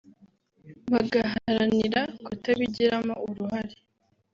bagaharanira kutabigiramo uruhare